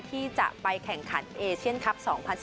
ที่จะไปแข่งขันเอเชียนคลับ๒๐๑๙